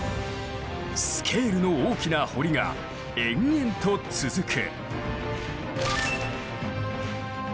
スケールの大きな堀が延々と続く。